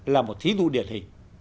là một thí dụ điển hình